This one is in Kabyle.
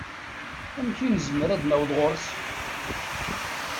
Amek i nezmer ad naweḍ ɣur-s?